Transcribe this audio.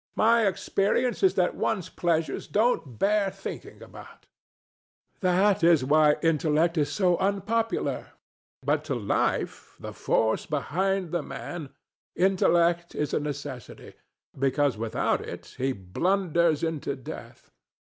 My experience is that one's pleasures don't bear thinking about. DON JUAN. That is why intellect is so unpopular. But to Life, the force behind the Man, intellect is a necessity, because without it he blunders into death.